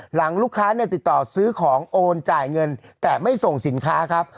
หลังลูกค้าเนี่ยติดต่อซื้อของโอนจ่ายเงินแต่ไม่ส่งสินค้าครับ